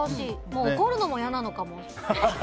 もう怒るのも嫌なのかも。